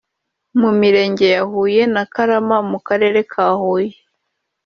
mu mirenge ya Huye na Karama mu karere ka Huye